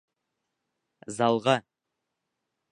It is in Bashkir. Залға!